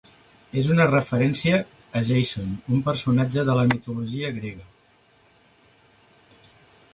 És una referència a Jason, un personatge de la mitologia grega.